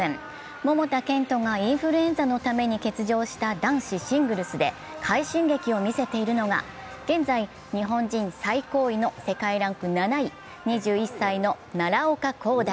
桃田賢斗がインフルエンザのために欠場した男子シングルスで快進撃を見せているのが現在、日本人最高位の世界ランク７位、２１歳の奈良岡功大。